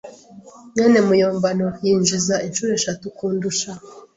mwene muyombano yinjiza inshuro eshatu kundusha.